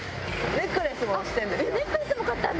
ネックレスも買ったんだ！